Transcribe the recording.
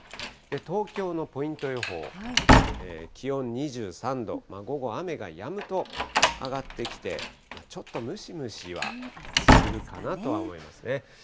東京のポイント予報、気温２３度、午後、雨がやむと上がってきて、ちょっとムシムシはするかなとは思いますね。